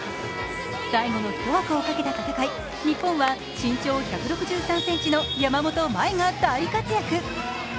最後の１枠をかけた戦い、日本は身長１６３ｃｍの山本麻衣が大活躍。